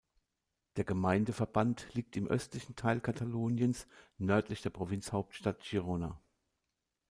Der Gemeindeverband liegt im östlichen Teil Kataloniens, nördlich der Provinzhauptstadt Girona.